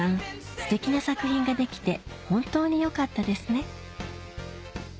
ステキな作品ができて本当によかったですね